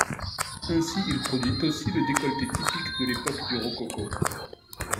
Ainsi il produit aussi le décolleté typique de l'époque du rococo.